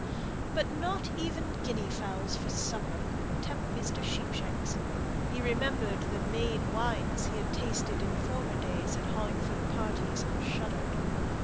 But not even guinea fowls for supper could tempt Mr. Sheepshanks. He remembered the made wines he had tasted in former days at Hollingford parties, and shuddered.